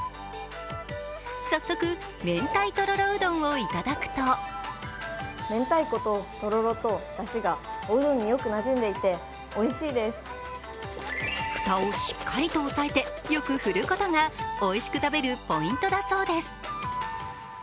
早速、明太とろろうどんをいただくと蓋をしっかりと押さえてよく振ることがおいしく食べるポイントだそうです。